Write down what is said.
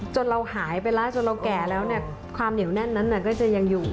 เราหายไปแล้วจนเราแก่แล้วความเหนียวแน่นนั้นก็จะยังอยู่